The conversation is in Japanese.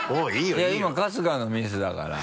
いや今春日のミスだから。